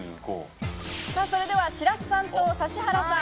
それでは白洲さんと指原さん。